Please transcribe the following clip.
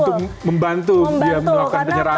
untuk membantu dia melakukan penyerangan